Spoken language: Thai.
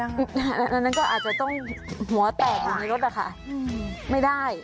อันนั้นก็อาจจะต้องหัวแตกอยู่ในรถนะคะไม่ได้